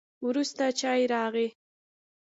وروسته چای راغی.